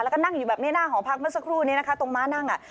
แล้วก็นั่งอยู่แบบนี้หน้าหอพักเมื่อสักครู่นี้นะคะตรงม้านั่งอ่ะ